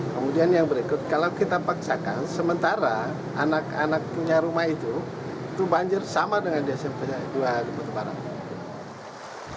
kemudian yang berikut kalau kita paksakan sementara anak anak punya rumah itu itu banjir sama dengan di smp dua